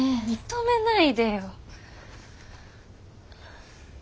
認めないでよ。